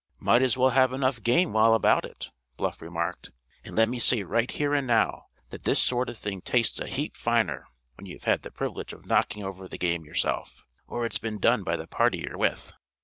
"Might as well have enough game while about it," Bluff remarked. "And let me say right here and now that this sort of thing tastes a heap finer when you've had the privilege of knocking over the game yourself; or it's been done by the party you're with."